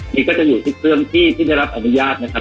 นี่ก็จะอยู่ทุกเรื่องที่ได้รับอนุญาตนะครับ